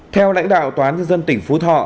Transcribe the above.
theo lãnh đạo toán nhân dân tỉnh phú thọ